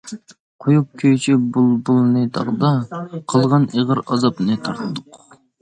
قۇيۇپ كۈيچى بۇلبۇلنى داغدا، قىلغان ئېغىر ئازابنى تارتۇق.